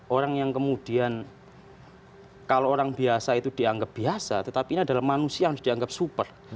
orang yang kemudian kalau orang biasa itu dianggap biasa tetapi ini adalah manusia yang dianggap super